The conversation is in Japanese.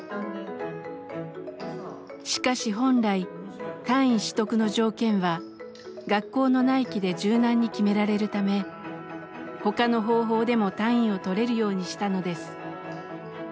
しかし本来単位取得の条件は学校の内規で柔軟に決められるため他の方法でも単位を取れるようにしたのです。